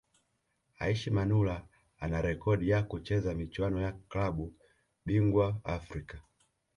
Aishi Manula ana rekodi ya kucheza michuano ya klabu bingwa Afrika